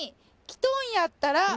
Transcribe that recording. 来とんやったら」